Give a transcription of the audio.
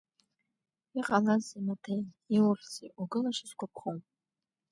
Иҟалазеи, Маҭеи, иухьзеи, угылашьа сгәаԥхом?